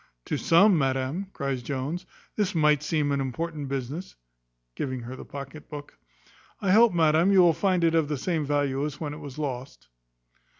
"To some, madam," cries Jones, "this might seem an important business" (giving her the pocket book). "I hope, madam, you will find it of the same value as when it was lost."